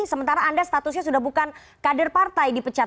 sementara anda statusnya sudah bukan kader partai dipecat